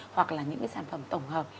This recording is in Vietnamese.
hoặc là những cái sản phẩm tổng hợp